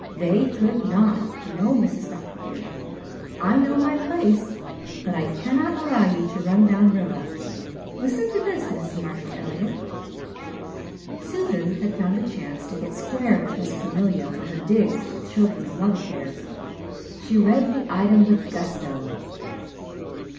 They could not. No, Mrs. Dr. dear, I know my place but I cannot allow you to run down Rilla. Listen to this, Mrs. Marshall Elliott." Susan had found a chance to get square with Miss Cornelia for her digs at the children's love affairs. She read the item with gusto.